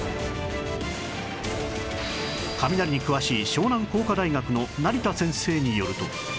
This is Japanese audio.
雷に詳しい湘南工科大学の成田先生によると